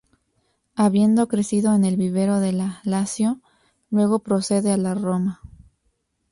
Habiendo crecido en el vivero de la Lazio, luego procede a la Roma.